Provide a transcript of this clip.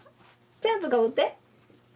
ちゃんとかぶって。